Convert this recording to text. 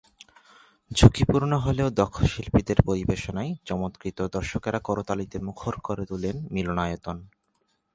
ঝুঁকিপূর্ণ হলেও দক্ষ শিল্পীদের পরিবেশনায় চমৎকৃত দর্শকেরা করতালিতে মুখর করে তোলেন মিলনায়তন।